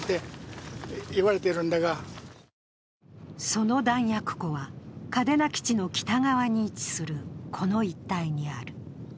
その弾薬庫は、嘉手納基地の北側に位置する、この一帯にある。